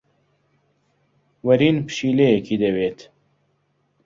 وەرین پشیلەیەکی دەوێت.